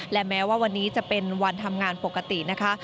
และแม้ว่าวันนี้จะเป็นวันทำงานปกตินะคะ